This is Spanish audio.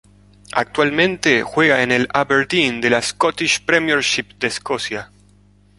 Actualmente juega en el Aberdeen de la Scottish Premiership de Escocia.